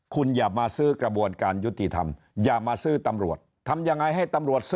คุณอย่ามาซื้อกระบวนการยุติธรรมอย่ามาซื้อตำรวจ